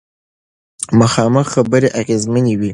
مخامخ خبرې اغیزمنې وي.